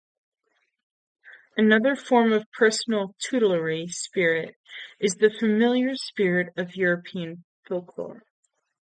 Another form of personal tutelary spirit is the familiar spirit of European folklore.